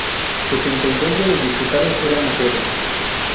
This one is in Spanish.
Setenta y dos de los diputados eran mujeres.